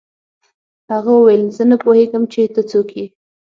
هغه وویل زه نه پوهېږم چې ته څوک یې